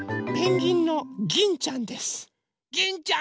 ギンちゃん！